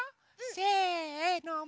せの。